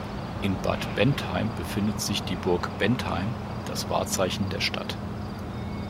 In Bad Bentheim befindet sich die Burg Bentheim, das Wahrzeichen der Stadt.